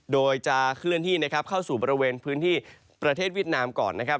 โดยจะเคลื่อนที่เข้าสู่บริเวณพื้นที่ประเทศวิทยาลังก่อน